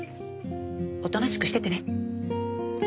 おとなしくしててね。